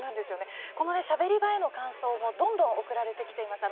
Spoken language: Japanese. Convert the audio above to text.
「しゃべり場」への感想もどんどん送られてきています。